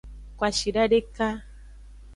Kwashida deka.